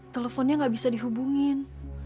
teleponnya gak bisa dihubungin